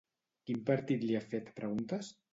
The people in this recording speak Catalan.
Quin partit li ha fet preguntes?